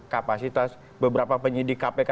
kapasitas beberapa penyidik kpk